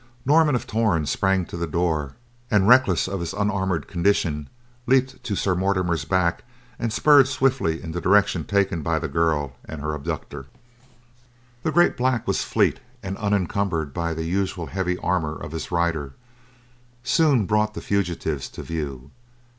Norman of Torn sprang to the door, and, reckless of his unarmored condition, leaped to Sir Mortimer's back and spurred swiftly in the direction taken by the girl and her abductor. The great black was fleet, and, unencumbered by the usual heavy armor of his rider, soon brought the fugitives to view.